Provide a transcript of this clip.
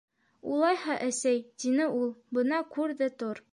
- Улайһа, әсәй, - тине ул, - бына күр ҙә тор.